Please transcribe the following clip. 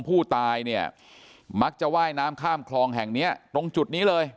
ผู้ตายเนี่ยมักจะว่ายน้ำข้ามคลองแห่งเนี้ยตรงจุดนี้เลย